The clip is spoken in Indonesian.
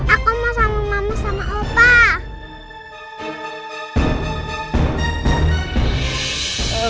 aku mau sama mama sama otak